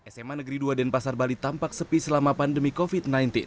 sma negeri dua denpasar bali tampak sepi selama pandemi covid sembilan belas